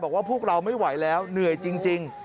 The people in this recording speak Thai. พวกเราไม่ไหวแล้วเหนื่อยจริง